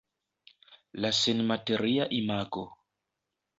La senmateria imago.